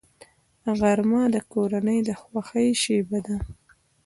غرمه د کورنۍ د خوښۍ شیبه ده